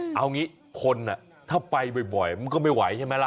เอางี้คนถ้าไปบ่อยมันก็ไม่ไหวใช่ไหมล่ะ